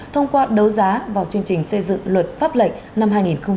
thông qua đấu giá vào chương trình xây dựng luật pháp lệnh năm hai nghìn hai mươi ba